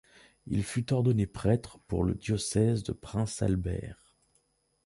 Il fut ordonné prêtre le pour le diocèse de Prince Albert.